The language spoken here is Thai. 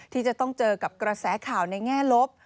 ที่จะต้องเจอกับกระแสข่าวในแง่ลบ